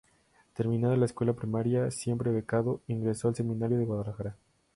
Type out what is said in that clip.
Terminada la escuela primaria, siempre becado, ingresó al Seminario de Guadalajara.